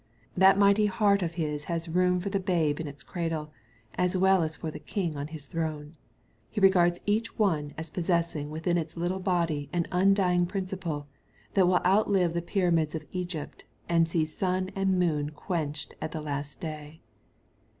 That mighty heart of his has room for the babe in its cradle, as well as for the king on his throne. He regards each one as possessing within its little body an undying principle, that will outlive the Pyramids of Egypt, and see sun and moon quenched at the last day.